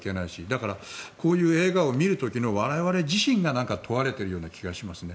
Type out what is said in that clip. だから、こういう映画を見る時の我々自身がなんか問われているような気がしますね。